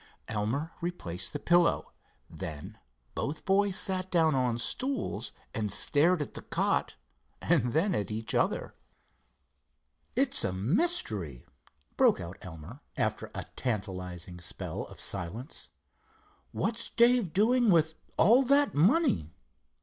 Elmer replaced the pillow. Then both boys sat down on stools and stared at the cot and then at each other. "It's a mystery," broke out Elmer, after a tantalizing spell of silence. "What's Dave doing with all that money?